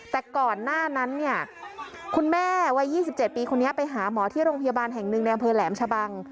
แต่ก่อนหน้านั้นเนี่ยคุณแม่วัย๒๗ปีคนนี้ไปหาหมอที่โรงพยาบาลแห่งหนึ่งในอำเภอแหลมชะบัง